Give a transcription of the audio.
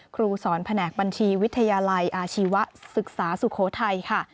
ครูสอนแผนกบัญชีวิทยาลัยอาชีวศึกษาสุโขทัยค่ะ